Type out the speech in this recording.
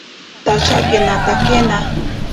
Tashakenatakena.